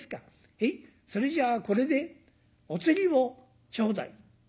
へいそれじゃこれでお釣りをちょうだい」。